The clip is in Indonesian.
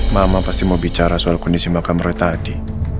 mama pasti mau bicara soal kondisi makam roy tadi